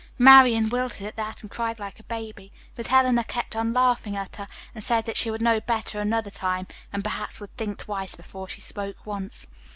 "Marian wilted at that and cried like a baby, but Eleanor kept on laughing at her, and said that she would know better another time, and perhaps would think twice before she spoke once.